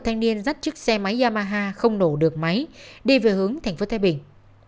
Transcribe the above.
thành niên dắt chiếc xe máy yamaha không nổ được máy đi về hướng tp thái bình